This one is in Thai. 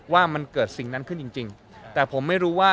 ว่ามันเกิดสิ่งนั้นขึ้นจริงแต่ผมไม่รู้ว่า